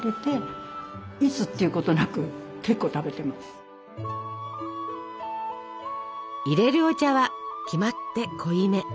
父親の所にはいれるお茶は決まって濃いめ。